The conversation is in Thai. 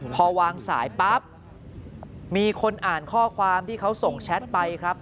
พอวางสายปั๊บมีคนอ่านข้อความที่เขาส่งแชทไปครับ